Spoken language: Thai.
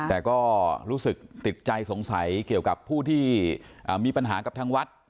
แต่ก็รู้สึกติดใจสงสัยเกี่ยวกับผู้ที่มีปัญหากับทางวัด